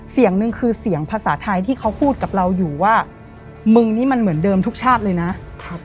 เสียงหนึ่งคือเสียงภาษาไทยที่เขาพูดกับเราอยู่ว่ามึงนี่มันเหมือนเดิมทุกชาติเลยนะครับ